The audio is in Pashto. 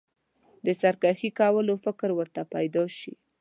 د سرکښي کولو فکر ورته پیدا شي.